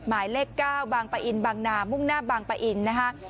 หมายเลข๙บางปะอินบางนามุ่งหน้าบางปะอินนะคะ